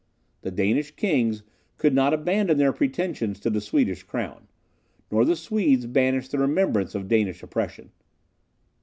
The Danish kings could not abandon their pretensions to the Swedish crown, nor the Swedes banish the remembrance of Danish oppression.